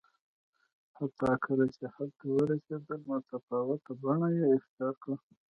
حتی کله چې هلته ورسېدل متفاوته بڼه یې اختیار کړه